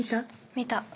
見た。